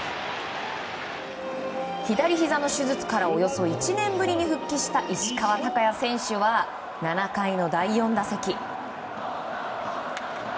左ひざの手術からおよそ１年ぶりに復帰した石川昂弥選手は７回の第４打席。